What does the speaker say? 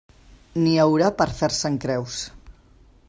N'hi haurà per fer-se'n creus.